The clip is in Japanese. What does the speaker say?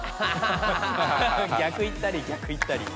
逆いったり逆いったり。